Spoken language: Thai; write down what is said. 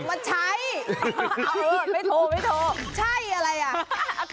มาใช้เออไม่โทรไม่โทรใช่อะไรอ่ะ